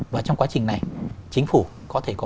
và trong quá trình này chính phủ có thể có